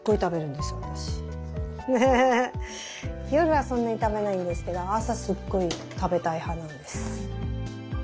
夜はそんなに食べないんですけど朝すごい食べたい派なんです。